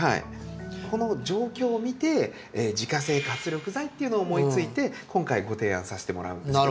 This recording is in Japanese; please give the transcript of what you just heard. この状況を見て自家製活力剤っていうのを思いついて今回ご提案させてもらうんですけど。